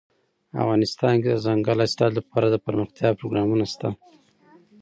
افغانستان کې د دځنګل حاصلات لپاره دپرمختیا پروګرامونه شته.